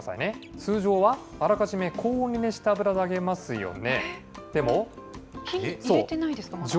通常はあらかじめ高温に熱した油で揚げますよね。